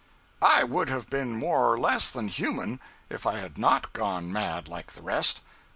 I would have been more or less than human if I had not gone mad like the rest.